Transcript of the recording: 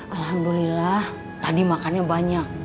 alhamdulillah tadi makannya banyak